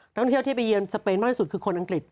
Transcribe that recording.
ท่องเที่ยวที่ไปเยือนสเปนมากที่สุดคือคนอังกฤษ